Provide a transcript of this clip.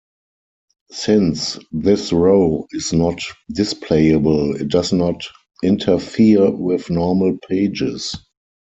Since this row is not displayable it does not interfere with normal pages.